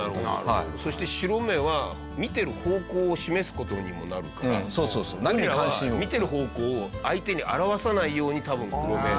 そして白目は見てる方向を示す事にもなるからゴリラは見てる方向を相手に表さないように多分黒目。